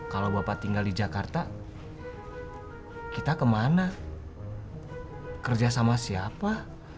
kalau bapak tinggal di jakarta kita kemana kerja sama siapa